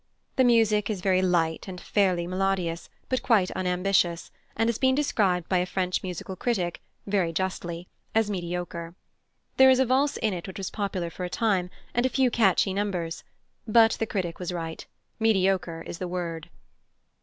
The music is very light and fairly melodious, but quite unambitious, and has been described by a French musical critic, very justly, as mediocre. There is a valse in it which was popular for a time, and a few catchy numbers, but the critic was right mediocre is the word.